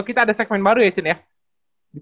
kita ada segmen baru ya chen ya